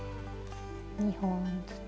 ２本ずつ。